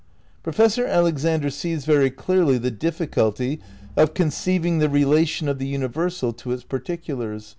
Professor Alexander sees very clearly the difficulty of conceiving the relation of the universal to its par ticulars.